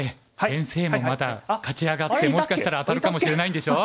先生もまだ勝ち上がってもしかしたら当たるかもしれないんでしょ？